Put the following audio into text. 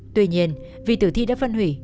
tuy nhiên vì tử thi đã phân hủy